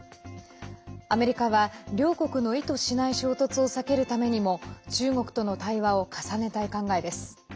アメリカは両国の意図しない衝突を避けるためにも中国との対話を重ねたい考えです。